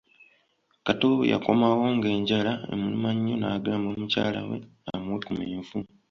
Kato yakomawo nga ennjala emuluma nnyo n'agamba mukyala we amuwe ku menvu.